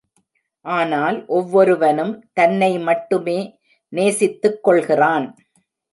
ஆனால், ஒவ்வொருவனும் தன்னை மட்டுமே நேசித்துக் கொள்கிறான்.